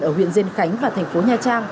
ở huyện dân khánh và thành phố nha trang